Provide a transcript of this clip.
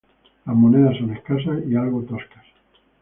Las monedas son escasas y algo toscas.